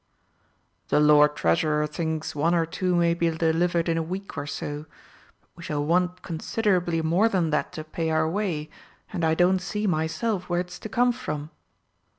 "The Lord Treasurer thinks one or two may be delivered in a week or so but we shall want considerably more than that to pay our way, and I don't see myself where it's to come from."